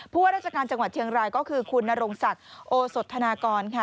ว่าราชการจังหวัดเชียงรายก็คือคุณนรงศักดิ์โอสธนากรค่ะ